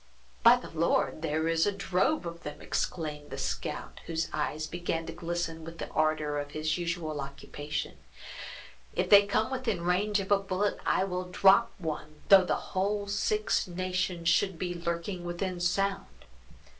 "By the Lord, there is a drove of them!" exclaimed the scout, whose eyes began to glisten with the ardor of his usual occupation; "if they come within range of a bullet I will drop one, though the whole Six Nations should be lurking within sound!